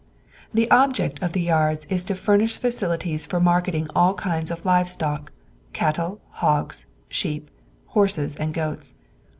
The object of the yards is to furnish facilities for marketing all kinds of live stock—cattle, hogs, sheep, horses and goats.